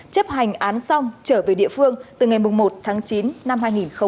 chấp hành án xong trở về địa phương từ ngày một tháng chín năm hai nghìn hai mươi